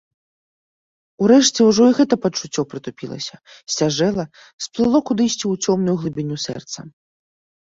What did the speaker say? Урэшце ўжо і гэта пачуццё прытупілася, сцяжэла, сплыло кудысьці ў цёмную глыбіню сэрца.